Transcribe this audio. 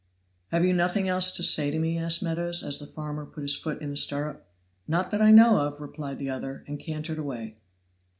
"Have you nothing else to say to me?" asked Meadows, as the farmer put his foot in the stirrup. "Not that I know of," replied the other, and cantered away.